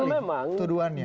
ya betul memang